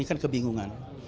ini kan kebingungan